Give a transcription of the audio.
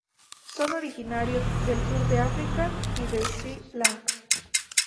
Son originarios del Sur de África y de Sri Lanka.